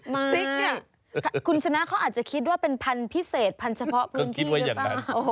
ไม่คุณชนะเค้าอาจจะคิดว่าเป็นพันธุ์พิเศษพันธ์เฉพาะคืองี้หรือเปล่า